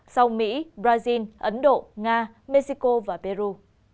sau mỹ brazil ấn độ nga mexico và peru